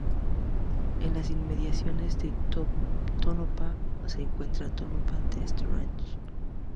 En las inmediaciones de Tonopah se encuentra el Tonopah Test Range.